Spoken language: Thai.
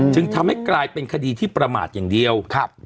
จึงทำให้กลายเป็นคดีที่ประมาทอย่างเดียว